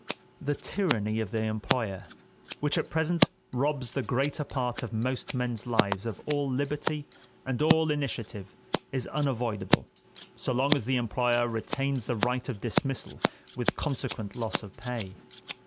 The tyranny of the employer, which at present robs the greater part of most men's lives of all liberty and all initiative, is unavoidable so long as the employer retains the right of dismissal with consequent loss of pay.